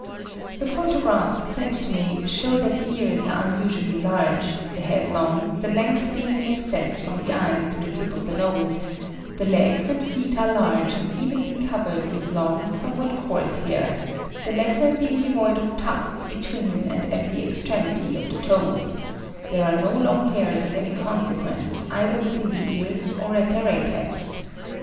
The photographs sent to me show that the ears are unusually large, the head long, the length being in excess from the eyes to the tip of the nose, the legs and feet are large and evenly covered with long, somewhat coarse hair, the latter being devoid of tufts between and at the extremity of the toes; there are no long hairs of any consequence either within the ears or at their apex.